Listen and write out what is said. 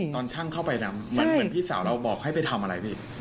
ตอนช่างเข้าไปดำเหมือนพี่สาวเราบอกให้ไปทำอะไรพี่